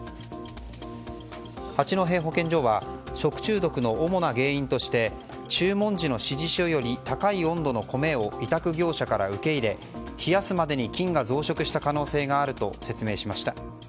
八戸市保健所は食中毒の主な原因として注文時の指示書より高い温度の米を委託業者から受け入れ冷やすまでに菌が増殖した可能性があると説明しました。